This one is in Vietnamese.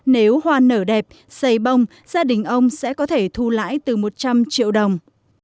nếu hoa nở đẹp xây bông gia đình ông sẽ có thể thu lãi từ một trăm linh triệu đồng